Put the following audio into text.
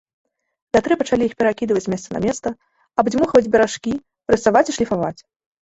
Вятры пачалі іх перакідваць з месца на месца, абдзьмухваць беражкі, прэсаваць і шліфаваць.